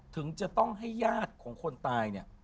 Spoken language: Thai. ถึงจะต้องให้ญาติของคนตายเนี่ย